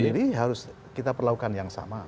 jadi harus kita perlakukan yang sama